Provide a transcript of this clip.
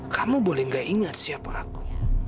kamu boleh gak ingat siapa aku